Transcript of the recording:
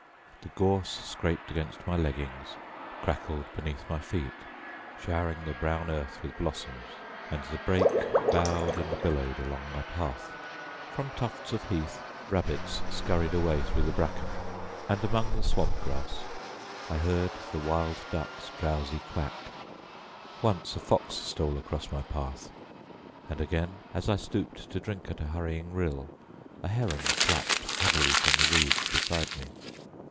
The gorse scraped against my leggings, crackled beneath my feet, showering the brown earth with blossoms, and the brake bowed and billowed along my path. From tufts of heath rabbits scurried away through the bracken, and among the swamp grass I heard the wild duck's drowsy quack. Once a fox stole across my path, and again, as I stooped to drink at a hurrying rill, a heron flapped heavily from the reeds beside me.